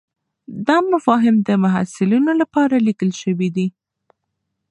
دا مفاهیم د محصلینو لپاره لیکل شوي دي.